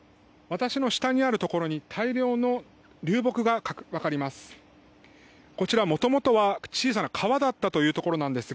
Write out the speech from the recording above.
私の下にあるところに大量の流木が分かります。